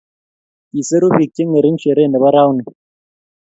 kiseru biik chengering shereee nebo rauni